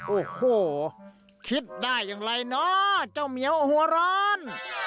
โอ้โหคิดได้อย่างไรเนาะเจ้าเหมียวหัวร้อน